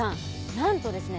なんとですね